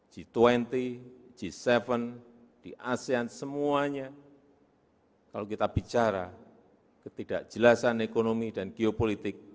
g dua puluh g tujuh di asean semuanya kalau kita bicara ketidakjelasan ekonomi dan geopolitik